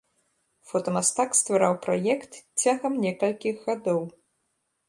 Фотамастак ствараў праект цягам некалькіх гадоў.